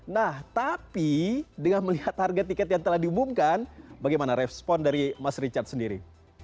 nah tapi dengan melihat harga tiket yang telah diumumkan bagaimana respon dari mas richard sendiri